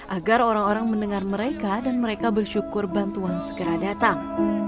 agar orang orang mendengar mereka dan mereka bersyukur bantuan segera datang